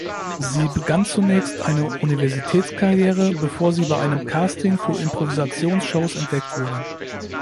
Sie begann zunächst eine Universitätskarriere, bevor sie bei einem Casting für Improvisations-Shows entdeckt wurde.